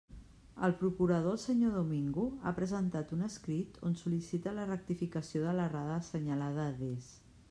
El procurador el senyor Domingo ha presentat un escrit on sol·licita la rectificació de l'errada assenyalada adés.